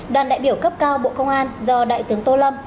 đoàn đại biểu cấp cao bộ công an do đại tướng tô lâm